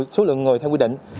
số lượng người theo quy định